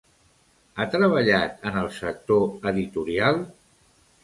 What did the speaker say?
Ha treballat en el sector editorial?